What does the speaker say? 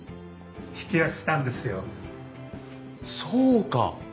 そうか！